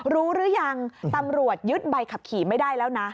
รู้หรือยังตำรวจยึดใบขับขี่ไม่ได้แล้วนะ